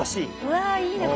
うわいいね。